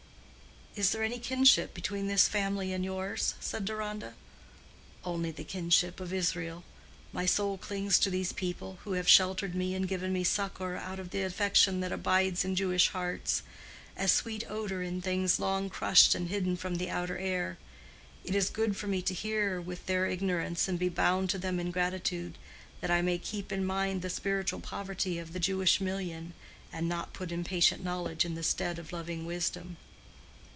"Is there any kinship between this family and yours?" said Deronda. "Only the kinship of Israel. My soul clings to these people, who have sheltered me and given me succor out of the affection that abides in Jewish hearts, as sweet odor in things long crushed and hidden from the outer air. It is good for me to bear with their ignorance and be bound to them in gratitude, that I may keep in mind the spiritual poverty of the Jewish million, and not put impatient knowledge in the stead of loving wisdom."